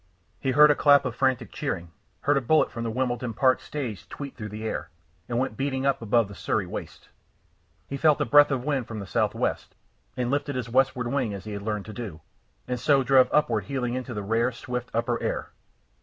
He heard a clap of frantic cheering, heard a bullet from the Wimbledon Park stage tweet through the air, and went beating up above the Surrey wastes. He felt a breath of wind from the southwest, and lifted his westward wing as he had learnt to do, and so drove upward heeling into the rare swift upper air.